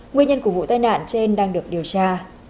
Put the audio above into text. nguyên nhân của vụ tai nạn trên đang được điều tra